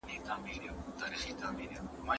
د رسول الله په وليمه کي کوم شيان ګډ سوي وو؟